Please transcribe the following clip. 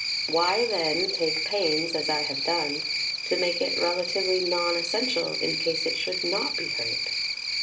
Why, then, take pains [as I have done] to make it rela tively non essential in case it should not be heard?